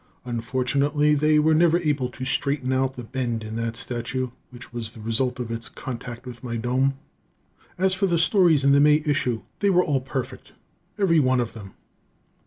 Unfortunately, they were never able to straighten out the bend in that statue, which was the result of its contact with my dome. As for the stories in the May issue, they were all perfect, every one of them.